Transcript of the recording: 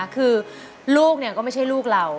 คือลูกก็ไม่ใช่ลูกเรา